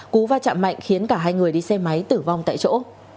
cú va chạm mạnh khiến cả hai người đi xe máy tử vong tại chỗ